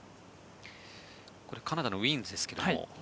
カナダのウィーンズですけども。